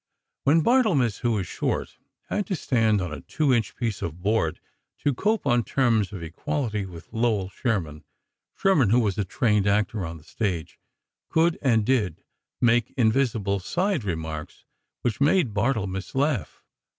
When Barthelmess, who is short, had to stand on a two inch piece of board, to cope on terms of equality with Lowell Sherman, Sherman, who was a trained actor of the stage, could, and did, make invisible side remarks which made Barthelmess laugh.